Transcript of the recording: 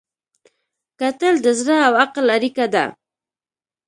کتل د زړه او عقل اړیکه ده